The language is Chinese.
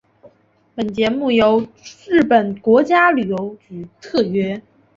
本节目由日本国家旅游局特约。